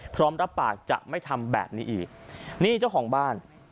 พร้อมรับปากจะไม่ทำแบบนี้อีกนี่เจ้าของบ้าน